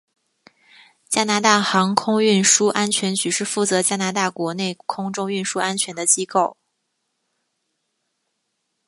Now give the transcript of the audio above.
加拿大航空运输安全局是负责加拿大国内空中运输安全的机构。